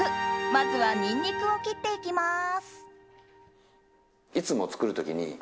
まずはニンニクを切っていきます。